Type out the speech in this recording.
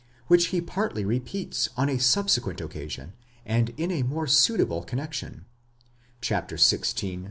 which he partly repeats on a subsequent occasion, and in a more suitable connexion (xvi.